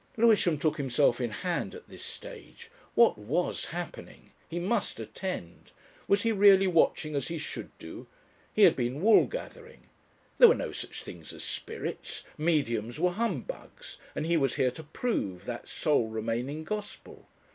Lewisham took himself in hand at this stage. What was happening? He must attend. Was he really watching as he should do? He had been wool gathering. There were no such things as spirits, mediums were humbugs, and he was here to prove that sole remaining Gospel.